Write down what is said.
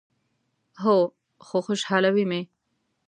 هو، خو خوشحالوي می